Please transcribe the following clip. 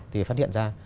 thì phát hiện ra